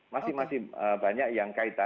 masih masih banyak yang kaitan